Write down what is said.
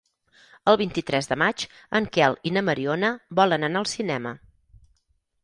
El vint-i-tres de maig en Quel i na Mariona volen anar al cinema.